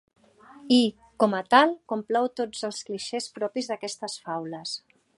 I, com a tal, complau tots els clixés propis d'aquestes faules.